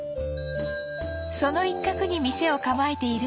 その一角に店を構えているのが